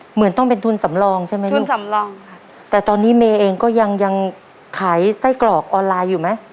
เหมือนต้องเป็นทุนสำรองใช่ไหมทุนสำรองค่ะแต่ตอนนี้เมย์เองก็ยังยังขายไส้กรอกออนไลน์อยู่ไหม